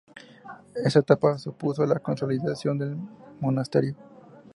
Esta etapa supuso la consolidación del monasterio.